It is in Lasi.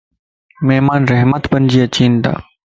مھمان رحمت بنجي اچينتا